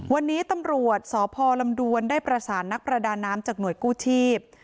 วันนี้ตำรวจสพลำดวนได้ประสานนักประดาน้ำจากหน่วยกู้ชีพ